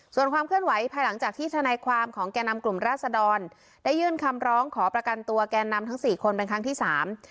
ส่วนความเคลื่อนไหวภายหลังจากที่ทนายความของแก่นำกลุ่มราศดรได้ยื่นคำร้องขอประกันตัวแกนนำทั้งสี่คนเป็นครั้งที่สาม